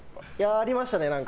ありましたね。